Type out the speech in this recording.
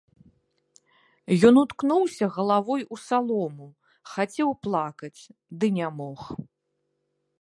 Ён уткнуўся галавой у салому, хацеў плакаць, ды не мог.